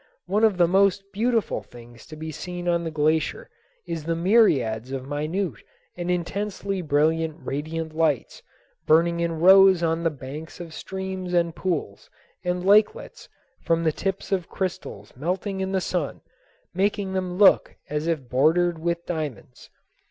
One of the most beautiful things to be seen on the glacier is the myriads of minute and intensely brilliant radiant lights burning in rows on the banks of streams and pools and lakelets from the tips of crystals melting in the sun, making them look as if bordered with diamonds.